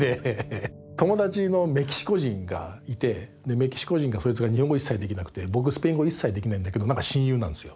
友達のメキシコ人がいてでメキシコ人がそいつが日本語一切できなくて僕スペイン語一切できないんだけど何か親友なんですよ。